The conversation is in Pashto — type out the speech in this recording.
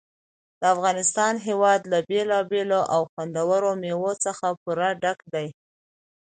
د افغانستان هېواد له بېلابېلو او خوندورو مېوو څخه پوره ډک دی.